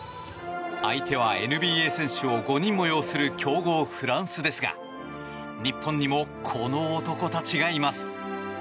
相手はＮＢＡ選手を５人も擁する強豪フランスですが日本人のこの男たちがいます。